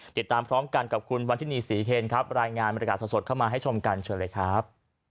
ติดตามพร้อมกันกับคุณวันทินีศรีเคนครับรายงานบรรยากาศสดเข้ามาให้ชมกันเชิญเลยครับ